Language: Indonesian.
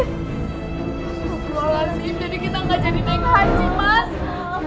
astaga jadi kita nggak jadi naik haji mas